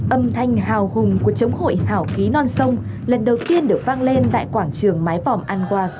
âm thanh hào hùng của chống hội hảo khí non sông lần đầu tiên được vang lên tại quảng trường mái vòm anward